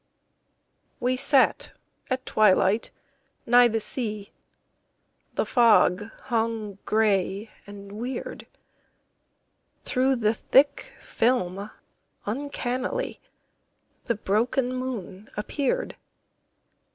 We sat at twilight nigh the sea, The fog hung gray and weird. Through the thick film uncannily The broken moon appeared.